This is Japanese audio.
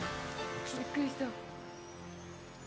びっくりした。